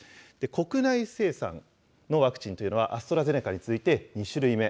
国内生産のワクチンというのは、アストラゼネカに続いて２種類目。